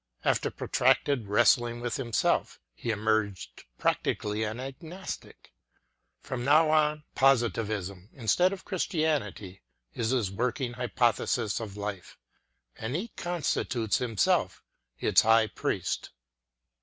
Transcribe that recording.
After protracted wrest ling with himself, he emerged practically an agnos tic. Prom now on, Positivism, instead of Chris tianity, is his working hypothesis of life ŌĆö and he constitutes himself its high priest.